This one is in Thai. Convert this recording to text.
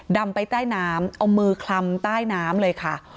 ดำไปใต้น้ำเอามือคลำใต้น้ำเลยค่ะ